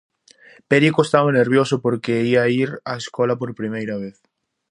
Perico estaba nervioso porque ía ir á escola por primeira vez.